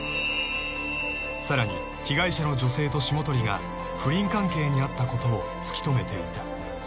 ［さらに被害者の女性と霜鳥が不倫関係にあったことを突き止めていた］